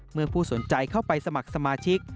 เมื่อผู้สนใจเข้าไปสมัครสมาชิก